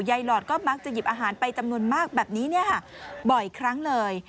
หลอดก็มักจะหยิบอาหารไปจำนวนมากแบบนี้บ่อยครั้งเลย